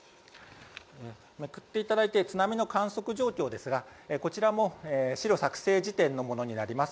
めくっていただいて津波の観測状況ですがこちらも資料作成時点のものになります。